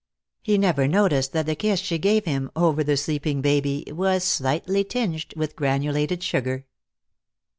He never noticed that the kiss she gave him, over the sleeping baby, was slightly tinged with granulated sugar.